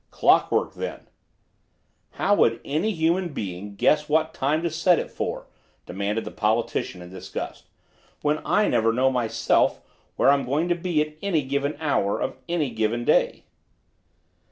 Clock work, then. "How would any human being guess what time to set it for," demanded the politician in disgust, "when I never know, myself, where I'm going to be at any given hour of any given day?"